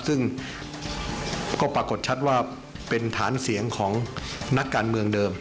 ซึ่งก็ปรากฏชัดว่าเป็นฐานเสียงของนักการเมืองเดิม